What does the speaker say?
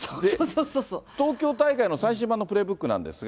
東京大会の最新版のプレイブックなんですが。